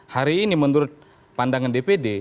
hari ini menurut pandangan dpd